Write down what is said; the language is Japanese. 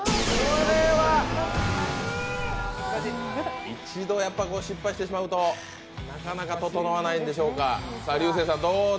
これは一度、失敗してしまうとなかなか整わないんでしょうか。